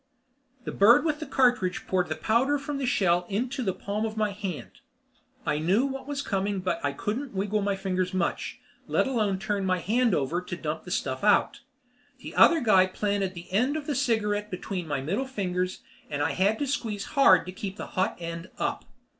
The bird with the cartridge poured the powder from the shell into the palm of my hand. I knew what was coming but I couldn't wiggle my fingers much, let alone turn my hand over to dump out the stuff. The other guy planted the end of the cigarette between my middle fingers and I had to squeeze hard to keep the hot end up.